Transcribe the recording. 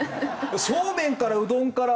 そうめんからうどんから何？